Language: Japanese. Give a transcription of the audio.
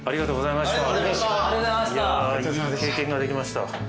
いい経験ができました。